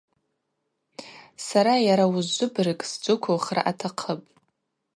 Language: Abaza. Сара йара уыжвыбырг сджвыквылхра атахъыпӏ.